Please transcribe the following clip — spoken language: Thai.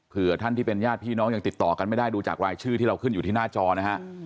เพื่อท่านที่เป็นญาติพี่น้องยังติดต่อกันไม่ได้ดูจากรายชื่อที่เราขึ้นอยู่ที่หน้าจอนะฮะ